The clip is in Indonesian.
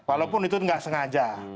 walaupun itu nggak sengaja